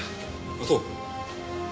あっそう。